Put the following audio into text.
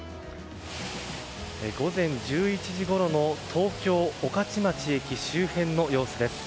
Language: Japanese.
午前１１時ごろの東京、御徒町駅周辺の様子です。